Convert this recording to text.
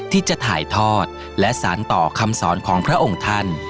ที่จะถ่ายทอดและสารต่อคำสอนของพระองค์ท่าน